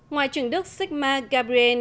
ngoài trưởng đức sigma gabriel